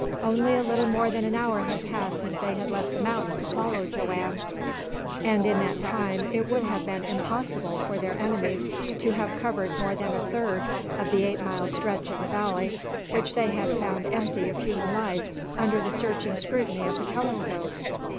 Only a little more than an hour had passed since they had left the mountain to follow Joanne, and in that time it would have been impossible for their enemies to have covered more than a third of the eight mile stretch of valley which they had found empty of human life under the searching scrutiny of the telescope!